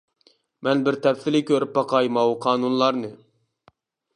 مەن بىر تەپسىلىي كۆرۈپ باقاي ماۋۇ قانۇنلارنى.